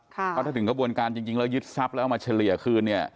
ถ้าถึงกระบวนการจริงยึดทรัพย์แล้วมาเฉลี่ยคืน